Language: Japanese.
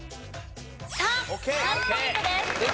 ３。３ポイントです。